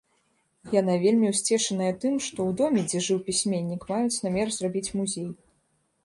Яна вельмі ўсцешаная тым, што ў доме, дзе жыў пісьменнік, маюць намер зрабіць музей.